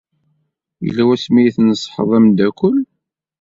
Yella wasmi ay tneṣḥeḍ ameddakel?